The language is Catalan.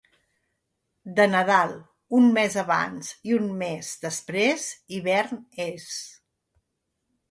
De Nadal, un mes abans i un mes després, hivern és.